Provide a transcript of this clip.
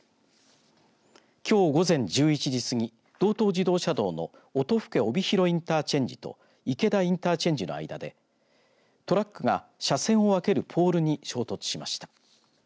きょう午前１１時過ぎ道東自動車道の音更帯広インターチェンジと池田インターチェンジの間でトラックが車線を分けるポールに衝突しました。